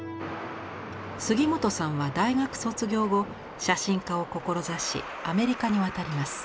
杉本さんは大学卒業後写真家を志しアメリカに渡ります。